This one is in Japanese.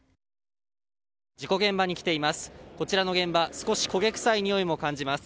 事故現場に来ています。